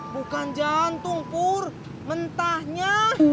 bukan jantung pur mentahnya